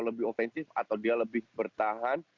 lebih offensif atau dia lebih bertahan